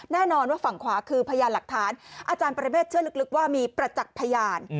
แน่นอนว่าฝั่งขวาคือพยานหลักฐานอาจารย์ปรเมฆเชื่อลึกว่ามีประจักษ์พยาน